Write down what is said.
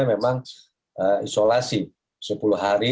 memang isolasi sepuluh hari